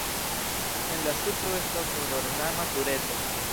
En la supro estas nur ornama tureto.